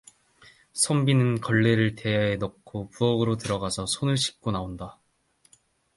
선비는 걸레를 대야에 넣고 부엌으로 들어가서 손을 씻고 나온다.